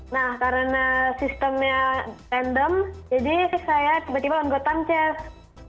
nah karena sistemnya random jadi saya tiba tiba lawan gotham chess